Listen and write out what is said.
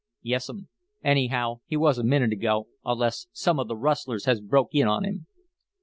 "Yes'm. Anyhow, he was a minute ago, unless some of the rustlers has broke in on him."